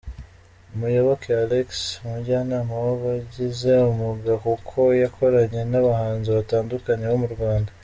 Muyoboke Alex umujyanama wabigize umuga kuko yakoranye n’abahanzi batandukanye bo mu Rwanda.